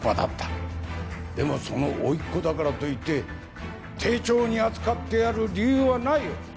でもその甥っ子だからといって丁重に扱ってやる理由はないよ。